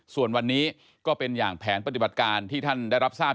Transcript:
ส่วนวันนี้ก็เป็นอย่างแผนปฏิบัติการที่ท่านได้รับทราบ